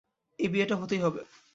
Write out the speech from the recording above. এই বিয়েটা হতেই হবে।